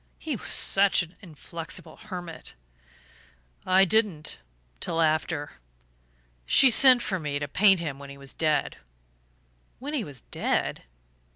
He was such an inflexible hermit." "I didn't till after.... She sent for me to paint him when he was dead." "When he was dead?